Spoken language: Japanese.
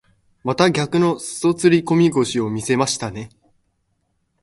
また逆の袖釣り込み腰を見せましたね。